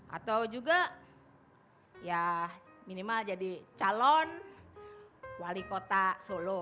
atau juga ya minimal jadi calon wali kota solo